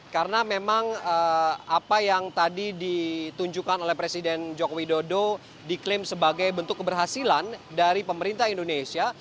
karena memang apa yang tadi ditunjukkan oleh presiden jokowi dodo diklaim sebagai bentuk keberhasilan dari pemerintah indonesia